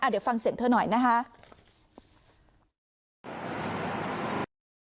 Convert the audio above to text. เดี๋ยวฟังเสียงเธอหน่อยนะคะ